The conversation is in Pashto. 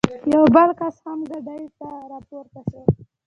یو بل کس هم ګاډۍ ته را پورته شو.